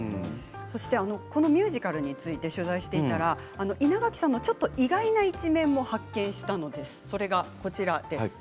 このミュージカルについて取材していたら稲垣さんのちょっと意外な一面も発見したんです。